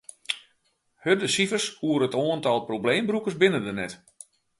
Hurde sifers oer it oantal probleembrûkers binne der net.